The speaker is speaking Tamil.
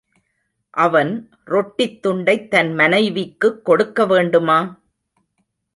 அவன் ரொட்டித் துண்டைத் தன் மனைவிக்குக் கொடுக்க வேண்டுமா?